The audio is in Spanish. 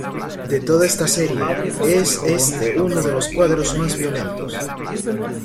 De toda esta serie, es este uno de los cuadros más violentos.